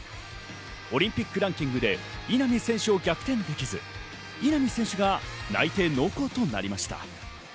オリンピックランキングで稲見選手を逆転できず、稲見選手が内定濃厚となりました。